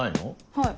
はい。